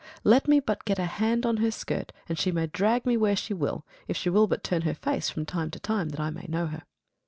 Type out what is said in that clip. Let me but get a hand on her skirt, and she may drag me where she will, if she will but turn her face from time to time that I may know her.